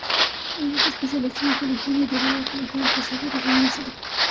Es especialista en Arqueología Medieval, Arqueología del Paisaje, y Patrimonio Histórico.